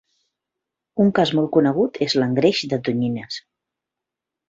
Un cas molt conegut és l'engreix de tonyines.